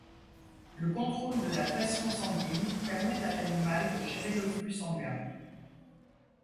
Le contrôle de la pression sanguine permet à l'animal de gérer le flux sanguin.